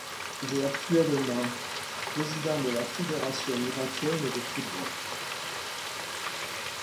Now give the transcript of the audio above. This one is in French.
Il est actuellement président de la Fédération irakienne de football.